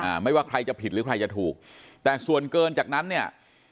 ไม่ว่าใครจะผิดหรือใครจะถูกแต่ส่วนเกินจากนั้นเนี่ย